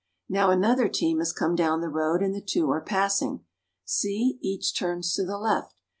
Now another team has come down the road, and the two are passing. See, each turns to the left